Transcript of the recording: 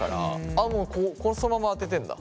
あっもうこうそのまま当ててんだ。